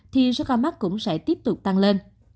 thì số ca mắc cũng sẽ tiếp tục tăng lên